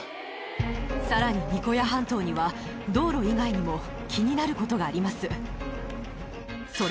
さらに、ニコヤ半島には、道路以外にも気になることがあります。